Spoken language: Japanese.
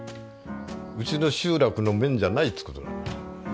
うちの集落の面じゃないっつう事なのよ。